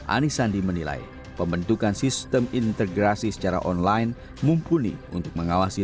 anies sandi menilai pembentukan sistem integrasi secara online mumpuni untuk mengawasi